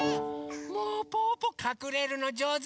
もうぽぅぽかくれるのじょうずだね。